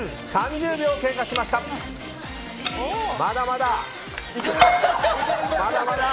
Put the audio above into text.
まだまだ！